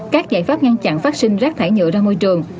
các giải pháp ngăn chặn phát sinh rác thải nhựa ra môi trường